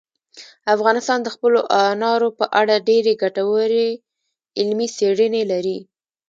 افغانستان د خپلو انارو په اړه ډېرې ګټورې علمي څېړنې لري.